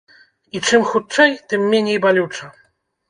І чым хутчэй, тым меней балюча.